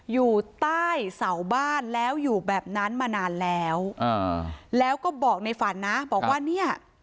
อยู่ใต้เสาบ้านแล้วอยู่แบบนั้นมานานแล้วอ่าแล้วก็บอกในฝันนะบอกว่าเนี่ย